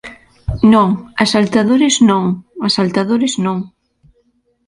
Non, asaltadores non, asaltadores non...